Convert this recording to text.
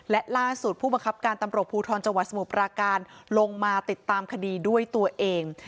และล่าสุดผู้บังคับการตำรวจภูทรจังหวัดสมุทรปราการลงมาติดตามคดีด้วยตัวเอง